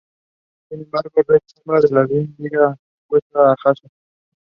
The government of the union was rotated between different branches.